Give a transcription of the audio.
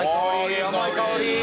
いい香り。